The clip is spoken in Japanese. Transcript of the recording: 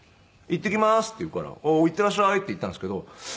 「いってきまーす」って言うから「いってらっしゃい」って言ったんですけど